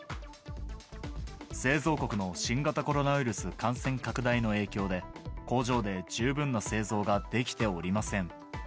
製造国の新型コロナウイルス感染拡大の影響で、工場で十分な製造ができておりません。